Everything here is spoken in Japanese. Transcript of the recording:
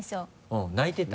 うん「ないてた」？